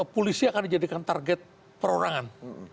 polisi akan dijadikan target perorangan